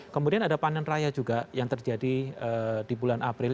kemudian ada panen raya juga yang terjadi di bulan april